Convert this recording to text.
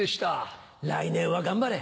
来年は頑張れ。